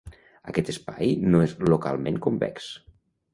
Aquest espai no és localment convex.